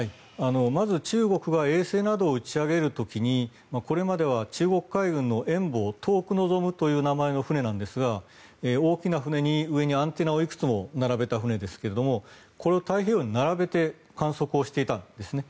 まず中国は衛星などを打ち上げる時にこれまでは中国海軍の「遠望」、遠く望むという名前の船なんですが大きな船の上にアンテナをいくつも並べた船ですがこれを太平洋に並べて観測していたんですね。